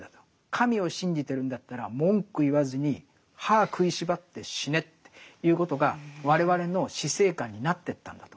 神を信じてるんだったら文句言わずに歯食いしばって死ねっていうことが我々の死生観になってったんだと思うんです。